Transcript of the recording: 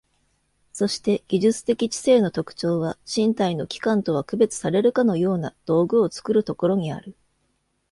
そして技術的知性の特徴は、身体の器官とは区別されるかような道具を作るところにある。